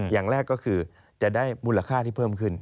อย่างแรกก็คือจะได้มูลค่าที่เพิ่มขึ้น